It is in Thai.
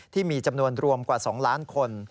ที่มีจำนวนรวมกว่า๒ล้านคน